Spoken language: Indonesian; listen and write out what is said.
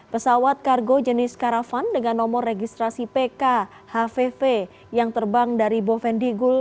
pesawat kargo jenis karavan dengan nomor registrasi pkhvv yang terbang dari bovendigul